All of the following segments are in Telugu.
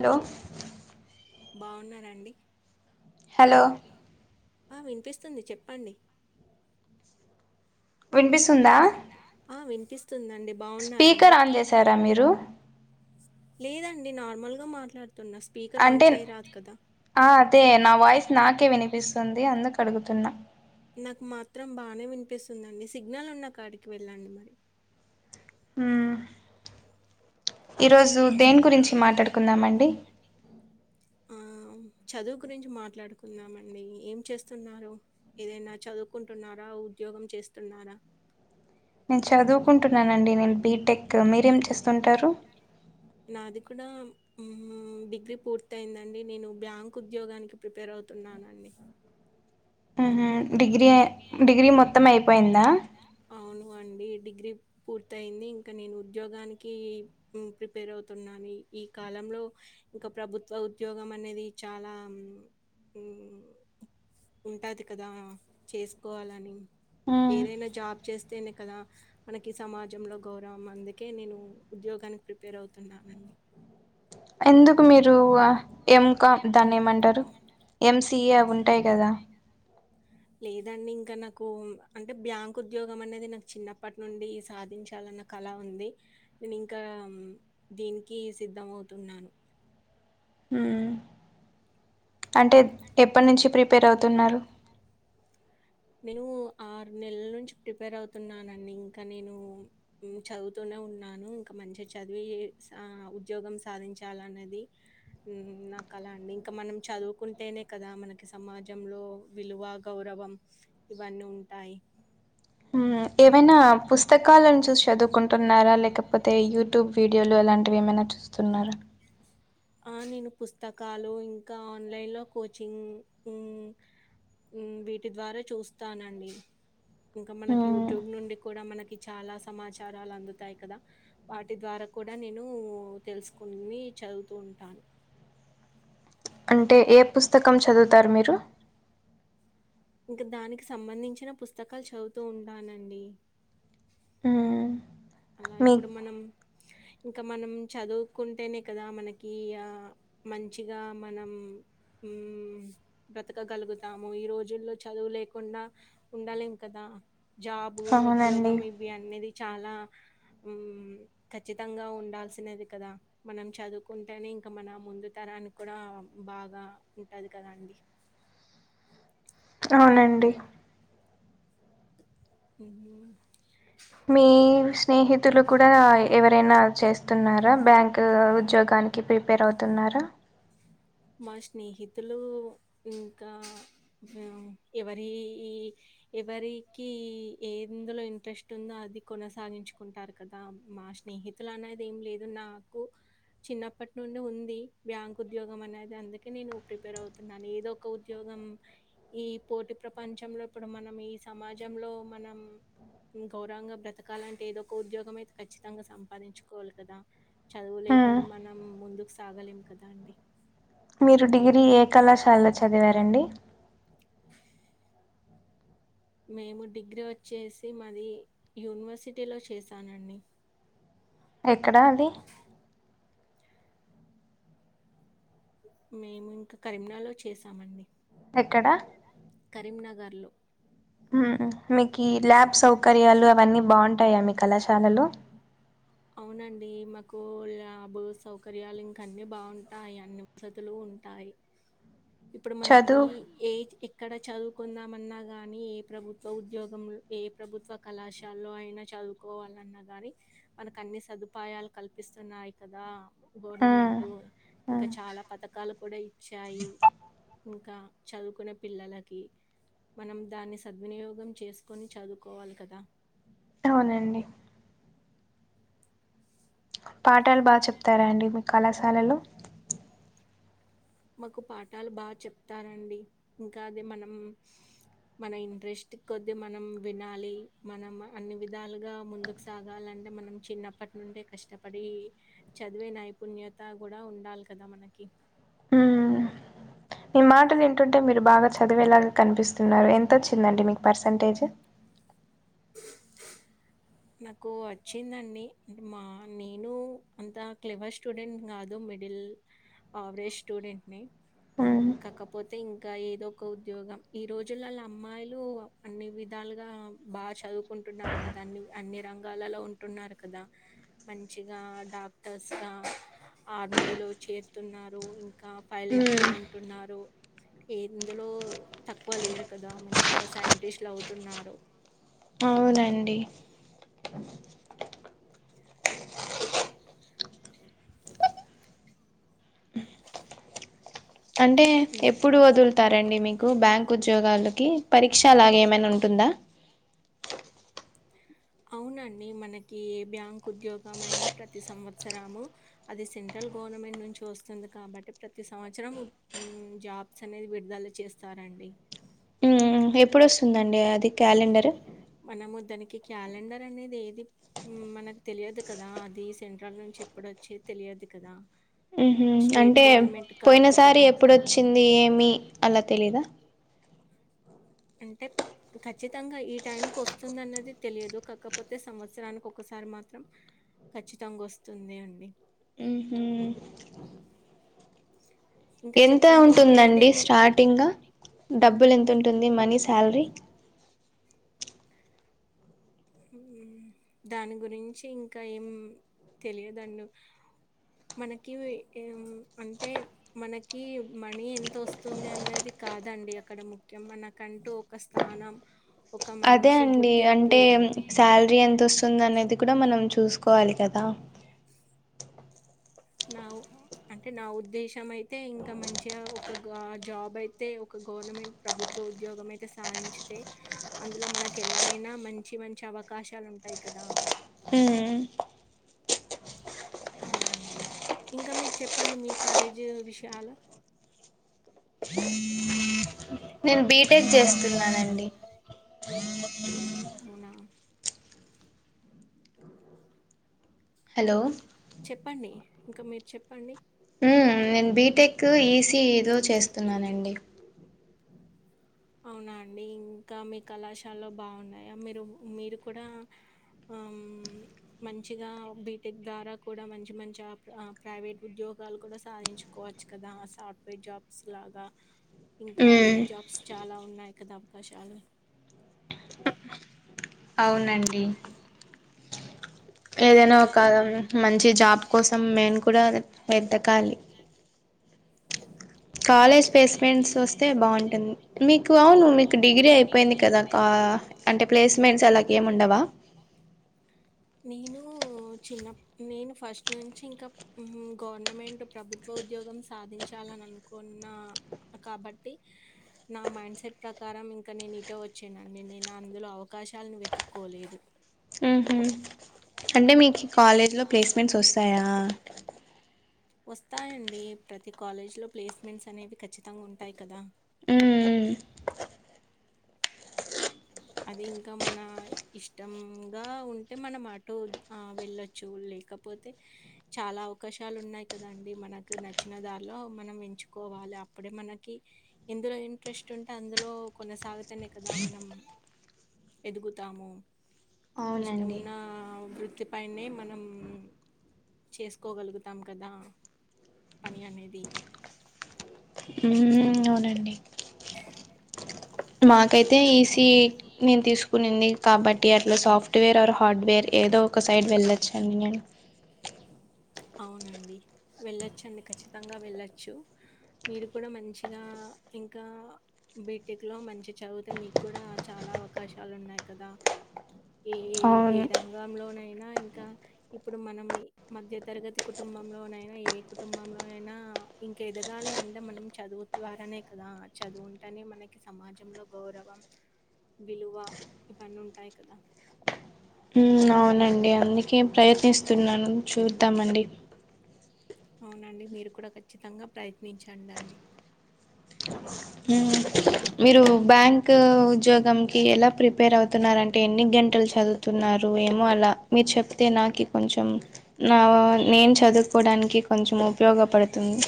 హలో బాగున్నారండి హలో ఆ వినిపిస్తుంది చెప్పండి వినిపిస్తుందా ఆ వినిపిసు స్పీకర్ ఆన్ జేశారా మీరు లేదండి నార్మల్ గా మాట్లాడ అంటే ఆ అదే నా వాయిస్ నాకే వినిపిస్తుంది అందు అడుగుతున్నా నాకు మాత్రం బాగానే వినిపిస్తుందండి సిగ్నల్ ఉన్న కాడికి వెళ్ళండి మరి ఊమ్ ఈరోజు దేని గురించి మాట్లాడుకుందామండి ఆ చదువు గురించి మాట్లాడుకుందామండి ఏం చేస్తున్నారు ఏదైనా చదువుకుంటున్నారా ఓ ఉద్యోగం చేస్తున్నారా నేను చదువుకుంటున్నానండి నేను బీటెక్ మీరేం చేస్తుంటారు నాది కూడా ఉ ఊమ్ డిగ్రీ పూర్తి అయిందండి నేను బ్యాంక్ ఉద్యోగానికి ప్రిపేర్ అవు తున్నానండి ఉ హు డిగ్ర ఎ డిగ్రీ మొత్తం అయిపోయిందా ఈ డిగ్రీ పూర్తి అయింది ఇంకా నేను ఉద్యోగానికి ఉ ప్రిపేర్ అవుతున్నాను ఈ ఈక్ కాలంలో ఇంక ప్రభుత్వ ఉద్యోగం మనేది చాలా ఊ ఉంటాది కదా చేసుకోవాలని మ్మ్ ఏదయిన జాబ్ తనే కదా మనకి సమాజంలో గౌరవం అందుకే నేను ఉద్యోగానికి ప్రిపేర్ అవుతున్నానండి ఎందుకు మీరు అ ఎంకామ్ దాన్ని ఏమంటరు ఎంసిఏ అవి ఉంటయి గదా లేదండి ఇంక నకు అంటే బ్యాంక్ ఉద్యోగం అనేది నాకు చిన్నప్పటి నుండి సాధించాల న్న కలా ఉంది నేను ఇంకా దీనికి సిద్ధం అవుతున్నాను ఉ అంటే ఎప్పటి నుంచి ప్రిపేర్ అవుతున్నారు నేనూ ఆరు నెలల నుంచి ప్రిపేర్ అవుతున్నానండి ఇంక నేను చదువుతున్న ఉన్నాను ఇంక మంచిగ చదివి సా ఉద్యోగం సాధించాలనేది ఊమ్ నాకల అండి ఇంక మనం చదువుకుంటేనే కదా మనకి సమాజంలో విలువ గౌరవం ఇవన్నీ ఉంటాయ్ ఉ ఏవైనా పుస్తకాలను చూసి చదువుకుంటున్నారా లేకపో పోతే యూట్యూబ్ వీడియోలు అలాంటివి ఏమైన చూస్తున్నరా ఆ నేను పుస్తకాలు ఇంకా ఆన్లైన్ లో కోచింగ్ ఉ ఉ వీటి ద్వారా చూస్తానండి ఇంక మనకి హ్మ్. యూట్యూబ్ నుండి కుడా మనకి చాలా సమాచారాల అందుతాయి కద వాటి ద్వారా కుడనేను తెలుసుకుని చదువుతూ ఉంటాను అంటే ఏ పుస్తకం చదువుతారు మీరు ఇంక దానికి సంబంధించిన పుస్తకాలు చదువుతూ ఉంటానండి హ్మ్. అలా మీ ఇప్పుడు మనం ఇంక మనం చదువుకుంటేనే కదా మనకి ఆ మంచిగా మనం ఊమ్ బ్రతకగలుగుతాము ఈ రోజుల్లో చదువు లేకుండా ఉండలేం కదా జాబు అవునండి. ఉద్యోగం ఇవి అనేది చాలా మ్ ఖచ్చితంగా ఉండాల్సినది కదా మనం చదువుకుంటేనే ఇంకా మన ముందు తరానికి కూడా బాగా ఉంటాది కదా అండి అవునండి. ఉహు మీ స్నేహితులు కూడా ఎవరైనా చేస్త వున్నారా బ్యాంకూ ఉద్యోగానికి ప్రిపేర్ అవుతున్నారా మా స్నేహితులు ఇంకా ఉ ఎవరేయి ఎవరికి ఏందులో ఇంట్రెస్ట్ ఉందో అది కొనసాగించుకుంటారు కదా మా నా స్నేహితులు అనేది ఏం లేదు నాకు చిన్నప్పటి నుండి ఉంది బ్యాంక్ ఉద్యోగం అనేది అందుకే నేను ప్రిపేర్ అవుతున్నాను ఏదో ఒక ఉద్యోగం ఈ పోటి ప్రపంచంలో ఇప్పుడు మనం మనం ఈ సమాజంలో మనం గౌరవంగ బ్రతకాల అంటే ఏదో ఒక ఉద్యోగం అయితే ఖచ్చితంగా సంపాదించుకోవాలి కదా చదువులే హ్మ్. లేకుండా మనం ముందుకు సాగలేం కదా అండి మీరు డిగ్రీ ఏ కళాశాలలో చదివారండి మేము డిగ్రీ వచ్చేసి మాది యూనివర్సిటీలో చేసానండి ఎక్కడా అది మేము ఇంకా కరీంనాలో చేసామండి ఎక్కడ కరీంనగర్ లో హుమ్ మీకి ల్యాబ్ సౌకర్యాలు అవన్నీ బాగుంటాయా మీ కళాశాలలో అవునండి మకు లాబ్ సౌకర్యాలు ఇంక అన్ని బావుంటాయి అన్ని వసతులు ఉంటాయి అ ఇప్పుడు మనకి ఏజ్ కి ఇక్కడ చదువుకుందామన్నా గాని ఏ ప్రభుత్వ ఉద్యోగం ఏ ప్రభుత్వ కళాశాలలో అయినా చ చదువుకోవాలన్న గాని మనకు అన్ని సదుపాయాలు కల్పిస్తున్నాయి కదా హ్మ్. గవర్నమెంటూ ఇంకా హ్మ్. చాలా పథకాలు కూడా ఇచ్చాయి ఇంకా చదువుకునే పిల్లలకి మనం దాన్ని సద్వినియోగం చేసుకొని చదువుకోవాలి కదా అవునండి పాఠాలు బాగా చెప్తారా అండి మీ కళాశాలలో మాకు పాఠాలు బాగా చెప్తారండి ఇంకా అది మనం మన ఇంట్రెస్ట్ కద్ది మనం వినాలి మనం అన్ని విధాలుగా ముందుకు సాగాలని అంటే మనం చిన్నప్పటి నుండే కష్టపడి చదివే నైపుణ్యత గూడా ఉండాలి కదా మనకి ఇ హ్మ్. మీ మాటలు వింటుంటే మీరు బాగా చదివ వెళ్ళాల కనిపిస్తున్నారు ఎంతొచ్చిందండి మీకు పర్సంటేజ్ [inaudible] నాకు వచ్చిందండి మా నేను అంత క్లివర్ స్టూడెంట్ కాదు మిడిల్ ఆవరేజ్ స్టూడెంట్ని హ్మ్. కాకపోతే ఇంకా ఏదో ఒక ఉద్యోగం ఈ రోజులలా అమ్మాయిలు అన్ని విధాలుగా బాగా చదువుకుంటున్నారు కదా అన్ని అన్ని రంగాలలో ఉంటున్నారు కదా మంచిగా డాక్టర్స్ గా ఆర్మీ లో చేరుతున్నారు ఇంకా పైలట్ గా హ్మ్. ఉ ఉంటున్నారూ ఎందులో తక్కువ లేరు కదా మంచిగా సైంటిస్ట్లు అవుతున్నారు అవునండి అంటే హ్మ్. ఎప్పుడు వదులుతారండి మీకు బ్యాంక్ ఉద్యోగాలకి పరీక్ష అలాగ ఏమైనా ఉంటుందా అవును అవునండి మనకి బ్యాంక్ ఉద్యోగం మైనా అయినా ప్రతి సంవత్సరము అది సెంట్రల్ గవర్నమెంట్ నుంచి వస్తుంది కాబట్టి ప్రతి సంవత్సరం మ్ జాబ్స్ అనేది విడుదల చేస్తారండి మ్ ఎప్పుడు వస్తుందండి అది క్యాలెండర్ మనము దానికి క్యాలెండర్ అనేది ఏది మనకు తెలియదు కదా అది సెంట్రల్ నుంచి ఎప్పుడు చ్చే తెలియదు కదా ఉహు స్టేట్ అంటే గవర్నమెంట్ పోయిన కాదు సారి కదా! ఎప్పుడొచ్చింది ఏమి అలా తెలీదా అంటే ఖచ్చితంగా ఈ టైం క వస్తుంది అన్నది తెలియదు కాకపోతే సంవత్సరానికి ఒకసారి సారి మాత్రం ఖచ్చితంగా వస్తుంది అండి హుహు. ఇంకా ఎంత చెప్పండి ఉంటుందండి ఇంకేంటివి స్టార్టింగ్ డబ్బులు ఎంత ఉంటుంది మని సాలరీ దాని గురించి ఇంకా ఏం తెలియదండు మనకి అంటే మనకి మనీ ఎంత వస్తుంది అన్నది కాదండి అక్కడ ముఖ్యం మనకంటూ ఒక స్థానం ఒక అదే మంచి అండి గుర్తింపు అంటే సాలరీ ఎంత వస్తుంది అనేది కూడా మన మనం చూసుకోవాలి కదా నా అంటే నా ఉద్దేశం అయితే ఇంకా మంచిగా ఒక జాబ్ అయితే ఒక గవర్నమెంట్ ప్రభుత్వ ఉద్యోగం అయితే సాధించితే అందులో మనకు ఎలా అయినా మంచి మంచి అవ అవకాశాలు ఉంటాయి కదా ఉమ్ అలా అండి ఇంకా మీరు చెప్పండి మీ కాలేజీ విషయాలు [inaudible] నేను బీటెక్ చేస్తున్నానండి అవునా హలో చెప్పండి ఇంకా మీరు చెప్పండి నేను బీటెక్ ఈసీఎదో చేస్తున్నానండి అవునా అండి ఇంకా మీ కళాశాలలో బాగున్నాయా మీరు మీరు కూడా ఆ మంచిగా బిటెక్ ద్వారా కూడా మంచి మంచి ప్రైవేట్ ఉద్యోగ ఉద్యోగాలు కూడా సాధించుకోవచ్చు కదా సాఫ్ట్వేర్ జాబ్స్ లాగా ఇంకా ఐటీ జాబ్స్ చాలా ఉన్నాయి కదా అవకాశాలు అవునండి ఏదైనా ఒక మంచి జాబ్ కోసం మేమ్ కూడా వెతకాలి కాలేజ్ ప్లేస్మెంట్స్ వస్తే బాగుంటుంది మీకు అవును మీకు డిగ్రీ అయిపోయింది కదా క అ ప్లేసెమెంట్స్ అలాగ ఎమ్ ఉండవా నేను చిన్న నేను ఫస్ట్ నుంచి ఇంకా మ్ గవర్నమెంట్ ప్రభుత్వ ఉద్యోగం సాధించాలని అనుకున్న కాబట్టి నా మైండ్ సెట్ ప్రకారం ఇంకా నేను ఇటే వచ్చానండి నేను అందులో అవకాశాలను వెతుక్కోలేదు మ్ హు అంటే మీకు కాలేజ్లో ప్లేస్మెంట్స్ వస్తాయా వస్తాయండి ప్రతి కాలేజీ లో ప్లేస్మెంట్స్ అనేవి ఖచ్చితంగా ఉంటాయి కదా మ్మ్మ్మ్ అది ఇంకా మన ఇష్టంగా ఉంటే మనం మటు ఆ వెళ్ళొచ్చు లేకపోతే చాలా అవకాశాలు ఉన్నాయి కదండి మనకు నచ్చిన దారిలో మనం ఎంచుకోవా కాాల అప్పుడే మనకి ఎందులో ఇంట్రెస్ట్ ఉంటే అందులో కొనసాగితేనే కదా మనం ఎదుగుతాము అవునండి ఇష్టమున్న వృత్తి ఫైనే మనం చేసుకోగలుగుతాం కదా పని అనేది అ హు అవునండి మాకైతే ఈసీ నేను తీస్ కొనింది కాబట్టి అట్లా సాఫ్ట్వేర్ ఆ హార్డ్వేర్ ఏదో ఒక సైడ్ వెళ్ళొచ్చు అండి నేను అవునండి వెళ్ళొచ్చండి ఖచ్చితంగా వెళ్ళచ్చు మీరు కూడా మంచిగా ఇంకా బీటెక్ లో మంచి చదివితే మీకు కూడా చాలా అవకాశాలు ఉన్నాయి కదా ఏ ఏ అవును రంగంలోనైనా ఇంకా ఇప్పుడు మనం మధ్య తరగతి కుటుంబంలోనైనా ఏ కుటుంబంలో అయినా ఇంక ఎదగాలి అంటే మనం చదువు ద్వారా అనే కదా చదువుంటేనే మనకి సమాజంలో గౌరవం విలువా ఇవ్వన్నీ ఉంటాయి కదా హు అవునండి అందుకే ప్రయత్నిస్తున్నాను చూద్దామండి అవునండి మీరు కూడా ఖచ్చితంగా ప్రయత్నించండి అండి హు మీరు బ్యాంక్ ఉద్యోగం క ఎలా ప్రిపేర్ అవుతున్నారు అంటే ఎన్ని గం ంటలు చదువుతున్నారు ఏమో అలా మీరు చెప్తే నాకు కొంచెం నా నేను చదువు కోడానికి కొంచెం ఉపయోగపడుతుంది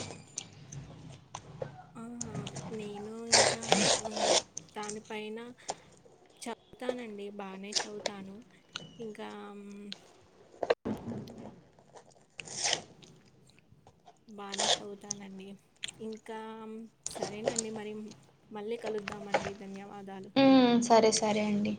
ఆహ నేను ఇంకా దానిపైైన చెప్తానండి బానే చదువుతాను ఇంకా బాగానే చదువుతానండి ఇంకా సరేనండి మరి మళ్ళీ కలు ద్దామండి ధన్యవాదాలు సరే సరే అండి